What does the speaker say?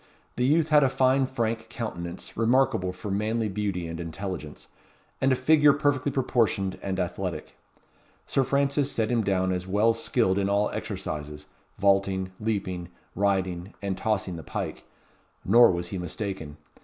The youth had a fine frank countenance, remarkable for manly beauty and intelligence, and a figure perfectly proportioned and athletic. Sir Francis set him down as well skilled in all exercises; vaulting, leaping, riding, and tossing the pike; nor was he mistaken.